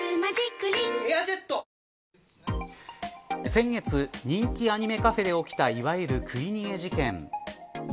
先月、人気アニメカフェで起きたいわゆる食い逃げ事件。